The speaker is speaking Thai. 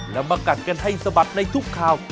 แล้วมากัดกันให้สะบัดในทุกข่าว